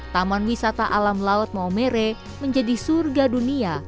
taman wisata alam laut maumere menjadi surga dunia